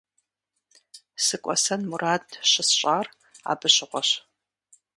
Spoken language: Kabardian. СыкӀуэсэн мурад щысщӀар абы щыгъуэщ.